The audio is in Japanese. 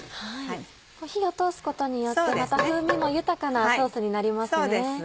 火を通すことによってまた風味も豊かなソースになりますね。